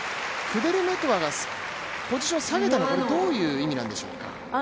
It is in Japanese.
クデルメトワがポジションを下げたのはどういう意味なんでしょうか？